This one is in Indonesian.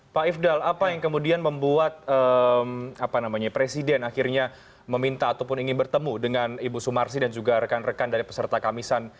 pak ifdal apa yang kemudian membuat presiden akhirnya meminta ataupun ingin bertemu dengan ibu sumarsi dan juga rekan rekan dari peserta kamisan